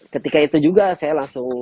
ketika itu juga saya langsung